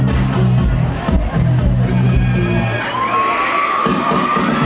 ไม่ต้องถามไม่ต้องถาม